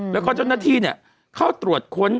แล้วก็จนที่เขาตรวจค้น